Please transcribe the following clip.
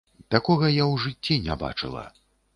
Такога я ў жыцці не бачыла.